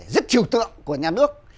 rất chiều tượng của nhà nước